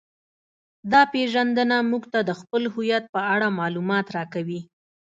دا پیژندنه موږ ته د خپل هویت په اړه معلومات راکوي